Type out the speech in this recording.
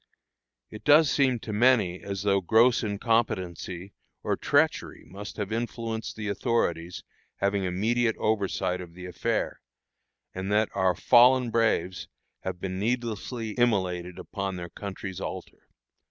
It does seem to many as though gross incompetency or treachery must have influenced the authorities having immediate oversight of the affair, and that our fallen braves have been needlessly immolated upon their country's altar.